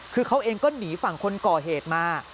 คือเขาเองก็หนีฝั่งคนก่อเหตุมา